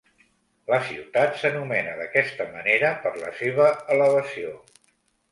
La ciutat s'anomena d'aquesta manera per la seva elevació.